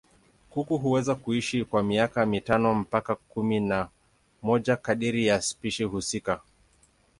Kuku huweza kuishi kwa miaka mitano mpaka kumi na moja kadiri ya spishi husika.